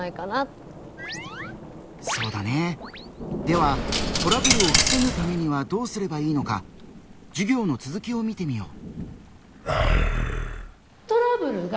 ではトラブルをふせぐためにはどうすればいいのか授業の続きを見てみよう。